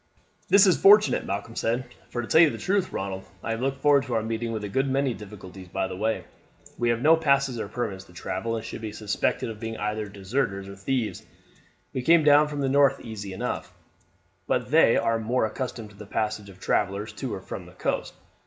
"This is fortunate," Malcolm said; "for to tell you the truth, Ronald, I have looked forward to our meeting with a good many difficulties by the way. We have no passes or permits to travel, and should be suspected of being either deserters or thieves. We came down from the north easy enough; but there they are more accustomed to the passage of travellers to or from the coast.